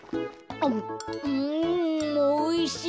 うんおいしい。